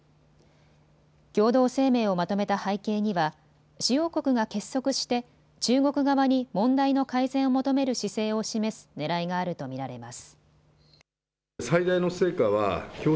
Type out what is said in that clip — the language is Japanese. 共同声明をまとめた背景には主要国が結束して中国側に問題の改善を求める姿勢を示すねらいがあると見られます。